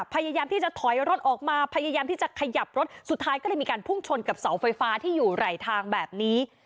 พยายามที่จะถอยรถออกมาพยายามที่จะขยับรถสุดท้ายก็เลยมีการพุ่งชนกับเสาไฟฟ้าที่อยู่ไหลทางแบบนี้